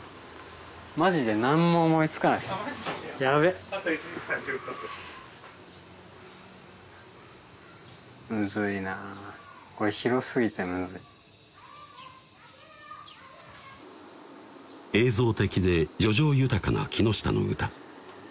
マジで何も思いつかないやべっむずいな映像的で叙情豊かな木下の歌